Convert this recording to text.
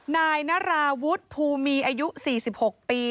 นายนาราวุฒิภูมีอายุ๔๖ปี